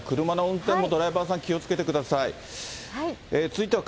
車の運転も、ドライバーさん、気をつけてください。